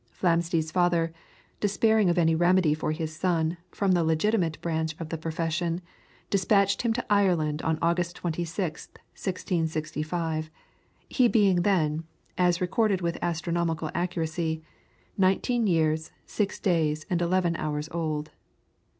Flamsteed's father, despairing of any remedy for his son from the legitimate branch of the profession, despatched him to Ireland on August 26th, 1665, he being then, as recorded with astronomical accuracy, "nineteen years, six days, and eleven hours old."